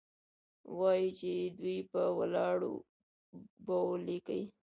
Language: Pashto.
وايي چې دوى په ولاړو بول كيې؟